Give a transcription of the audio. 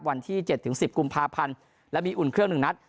วันที่๗๑๐กุมภาพันธ์และมีอุ่นเครื่อง๑นัด